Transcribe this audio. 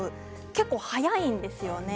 結構早いんですよね。